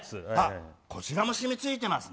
こちらもシミがついてますね。